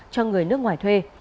cho người nước ngoài thuê